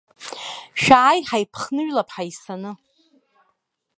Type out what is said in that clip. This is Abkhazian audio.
Шәааи, ҳаиԥхныҩлап ҳаисаны.